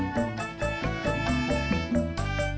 mana aku tahu suy